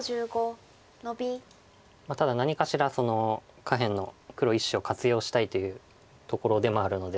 ただ何かしら下辺の黒１子を活用したいというところでもあるので。